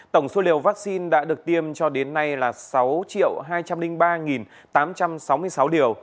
tổng số liều vaccine đã được tiêm cho đến nay là sáu hai trăm linh ba tám trăm sáu mươi sáu điều